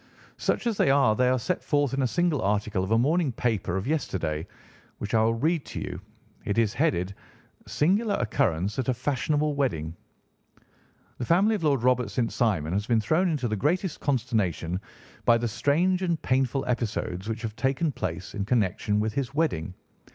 "Such as they are, they are set forth in a single article of a morning paper of yesterday, which I will read to you. It is headed, 'Singular Occurrence at a Fashionable Wedding': "'The family of Lord Robert St. Simon has been thrown into the greatest consternation by the strange and painful episodes which have taken place in connection with his wedding.